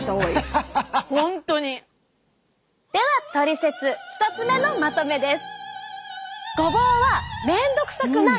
ではトリセツ１つ目のまとめです。